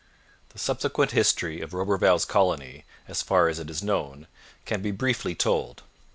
The subsequent history of Roberval's colony, as far as it is known, can be briefly told.